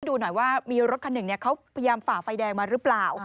ดูหน่อยว่ามีรถคันหนึ่งเขาพยายามฝ่าไฟแดงมาหรือเปล่า